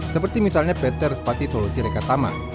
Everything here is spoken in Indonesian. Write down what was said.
seperti misalnya ptr sepati solusi rekatama